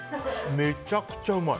めちゃくちゃうまい！